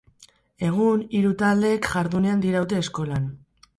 Egun, hiru taldeek jardunean diraute Eskolan.